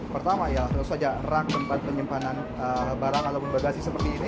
pertama ya langsung saja rak tempat penyimpanan barang ataupun bagasi seperti ini